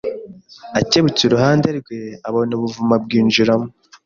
Akebutse iruhande rwe abona ubuvumo abwinjiramo